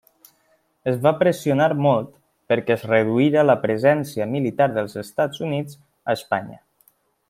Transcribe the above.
Es va pressionar molt perquè es reduís la presència militar dels Estats Units a Espanya.